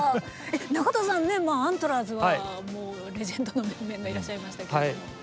中田さんアントラーズはもうレジェンドの面々がいらっしゃいましたけれども。